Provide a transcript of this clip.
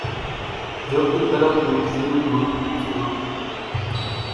جھوتي پرٻ نون شرُو مان ٻيزون نام ھتون